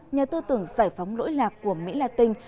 nhà tư tưởng giải phóng lỗi lạc của mỹ latin